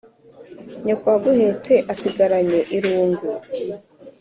nyoko waguhetse asigaranye irungu